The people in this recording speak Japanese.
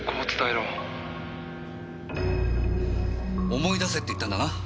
思い出せって言ったんだな？